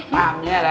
pertama ya ra